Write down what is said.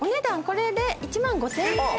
これで１万５０００円。